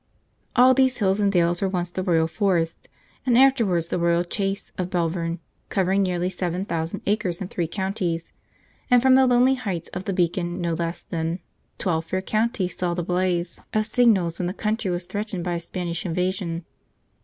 All these hills and dales were once the Royal Forest, and afterwards the Royal Chase, of Belvern, covering nearly seven thousand acres in three counties; and from the lonely height of the Beacon no less than 'Twelve fair counties saw the blaze' of signals, when the country was threatened by a Spanish invasion.